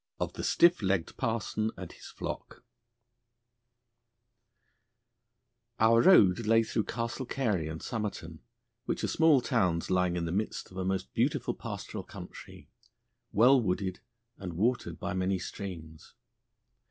Of the Stiff legged Parson and his Flock Our road lay through Castle Carey and Somerton, which are small towns lying in the midst of a most beautiful pastoral country, well wooded and watered by many streams.